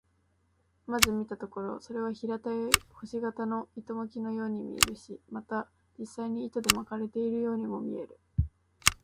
まず見たところ、それは平たい星形の糸巻のように見えるし、また実際に糸で巻かれているようにも見える。